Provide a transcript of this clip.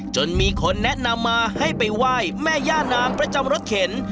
จนมีคนแนะนำมาให้ไปไหว้แม่ย่านางประจำรถเข็น